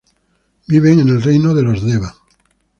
Viven en el Reino de los Deva.